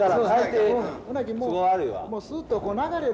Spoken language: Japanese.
んだけもうすっと流れを。